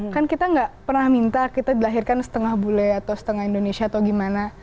kan kita nggak pernah minta kita dilahirkan setengah bule atau setengah indonesia atau gimana